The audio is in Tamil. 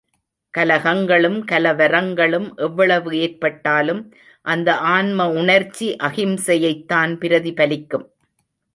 கலகங்களும், கலவரங்களும் எவ்வளவு ஏற்பட்டாலும், அந்த ஆன்ம உணர்ச்சி அஹிம்சையைத்தான் பிரதிபலிக்கும்.